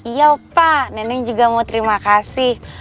iya opa nenek juga mau terima kasih